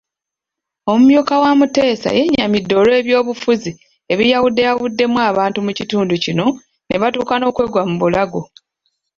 Omumyuka wa Muteesa yennyamidde olw'ebyobufuzi ebiyawuddeyawuddemu abantu mu kitundu kino nebatuuka n'okwegwa mu bulago.